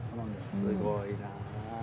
すごいな。